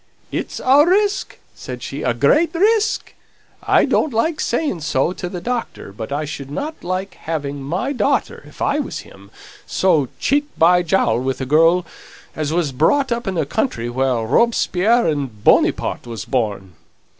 "It's a risk," said she, "a great risk. I don't like saying so to the doctor, but I shouldn't like having my daughter, if I was him, so cheek by jowl with a girl as was brought up in the country where Robespierre and Bonyparte was born."